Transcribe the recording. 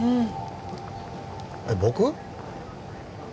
えっ僕？